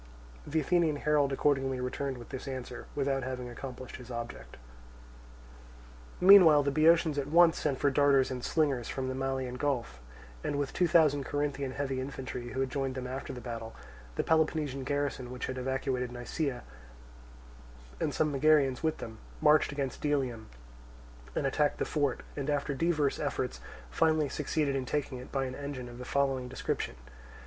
The Athenian herald accordingly returned with this answer, without having accomplished his object. Meanwhile the Boeotians at once sent for darters and slingers from the Malian Gulf, and with two thousand Corinthian heavy infantry who had joined them after the battle, the Peloponnesian garrison which had evacuated Nisaea, and some Megarians with them, marched against Delium, and attacked the fort, and after divers efforts finally succeeded in taking it by an engine of the following description.